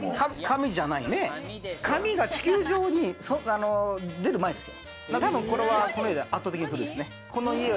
紙が地球上に出る前ですよ。